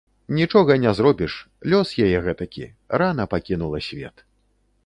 Нічога не зробіш, лёс яе гэтакі, рана пакінула свет.